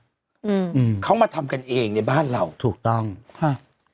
อืมเขามาทำกันเองในบ้านเราถูกต้องฮะ